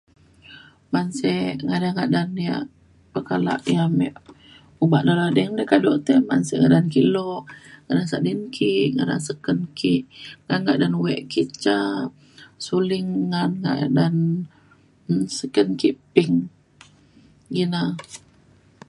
manse ngadan ngadan yak pekala yak ame obak dalau di kado na ban sek karan ke lok ngadan sadin ke ngadan seken ke ngan ngadan wek ke ca Suling ngan [unintelligible] ngan seken ke Ping ina